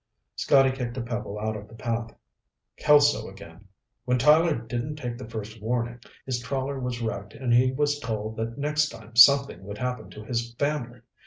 Scotty kicked a pebble out of the path. "Kelso again. When Tyler didn't take the first warning, his trawler was wrecked and he was told that next time something would happen to his family.